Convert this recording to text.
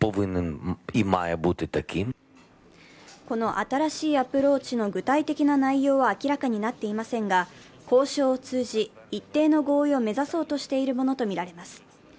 この新しいアプローチの具体的な内容は明らかになっていませんが、交渉を通じ一定の合意を目指そうとしているものとみられます。